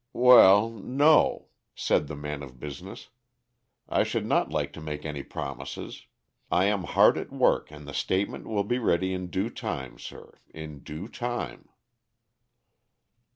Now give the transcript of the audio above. "Well, no," said the man of business, "I should not like to make any promises; I am hard at work, and the statement will be ready in due time, sir; in due time."